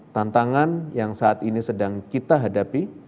tantangan yang saat ini sedang kita hadapi